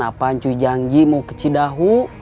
apa cuy janji mau ke cidahu